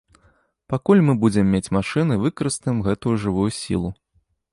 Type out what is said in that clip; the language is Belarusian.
Пакуль мы будзем мець машыны, выкарыстаем гэтую жывую сілу.